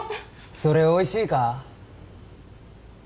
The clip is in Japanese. それおいしいか？